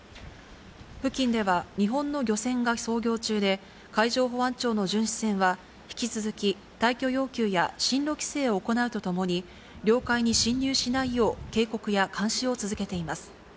付近では日本の漁船が操業中で、海上保安庁の巡視船は、引き続き退去要求や進路規制を行うとともに、領海に侵入しないよう警告や監視を続けています。